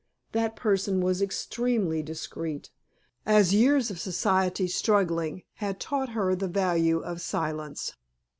That person was extremely discreet, as years of society struggling had taught her the value of silence.